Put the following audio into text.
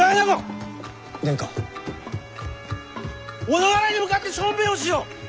小田原に向かって小便をしよう！